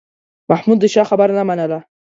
محمود د چا خبره نه منله.